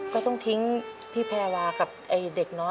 ก็ต้องทิ้งพี่แพรวากับไอ้เด็กน้อย๓คน๒คนไว้